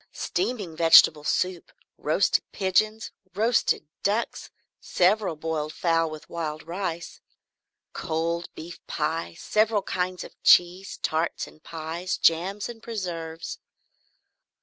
Steaming vegetable soup, roast pigeons, roasted ducks, several boiled fowl with wild rice, a cold beef pie, several kinds of cheese, tarts and pies, jams and preserves.